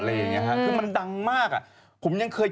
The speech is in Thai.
เดี๋ยวมันก็ตีกันละ